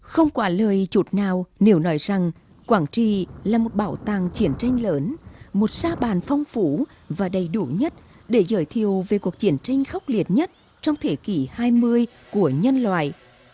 không quả lời chút nào nếu nói rằng quảng trì là một bảo tàng chiến tranh lớn một sa bàn phong phú và đầy đủ nhất để giới thiệu về cuộc chiến tranh khốc liệt nhất trong thế kỷ hai mươi của nhân loại